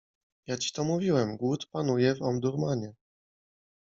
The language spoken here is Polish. Jak ci to mówiłem, głód panuje w Omdurmanie.